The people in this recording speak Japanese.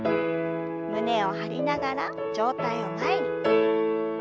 胸を張りながら上体を前に。